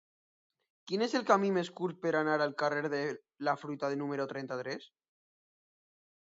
Quin és el camí més curt per anar al carrer de la Fruita número trenta-tres?